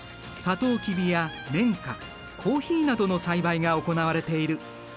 とうきびや綿花コーヒーなどの栽培が行われている。